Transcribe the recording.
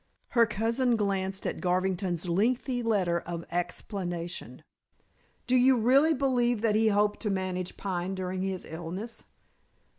Her cousin glanced at Garvington's lengthy letter of explanation. "Do you really believe that he hoped to manage Pine during the illness?"